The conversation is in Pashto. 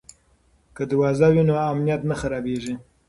که دروازه وي نو امنیت نه خرابېږي.